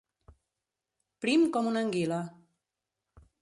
Prim com una anguila.